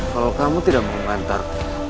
kalau kamu tidak mau mengantar